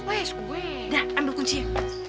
weh udah ambil kuncinya